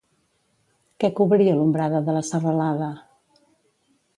Què cobria l'ombrada de la serralada?